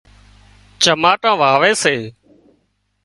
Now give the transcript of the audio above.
چماٽان واوي سي